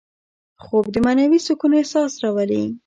خوب د معنوي سکون احساس راولي